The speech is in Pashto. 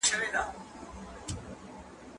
زه کولای سم درسونه لوستل کړم!؟